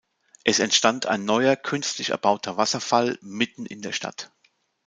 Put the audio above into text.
Es entstand ein neuer, künstlich erbauter Wasserfall mitten in der Stadt.